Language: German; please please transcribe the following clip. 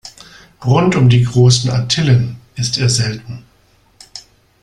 Rund um die Großen Antillen ist er selten.